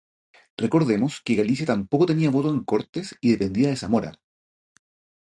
Recordemos que Galicia tampoco tenía voto en Cortes y dependía de Zamora.